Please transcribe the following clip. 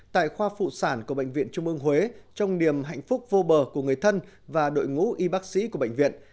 tại khoa phụ sản của bệnh viện trung ương huế trong niềm hạnh phúc vô bờ của người thân và đội ngũ y bác sĩ của bệnh viện